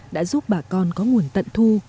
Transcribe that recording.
đã giúp bà con có nguồn tận thu